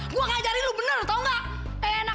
gue tempel yang gelak balik